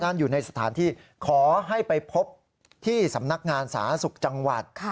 อยู่ในสถานที่ขอให้ไปพบที่สำนักงานสาธารณสุขจังหวัด